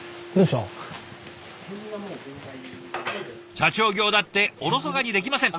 社長業だっておろそかにできません。